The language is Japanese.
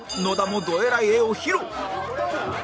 野田もどえらい絵を披露